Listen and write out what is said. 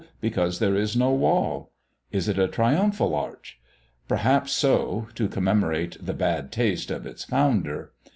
because there is no wall. Is it a triumphal arch? Perhaps so, to commemorate the bad taste of its founder.